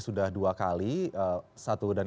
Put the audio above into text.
sudah dua kali satu dari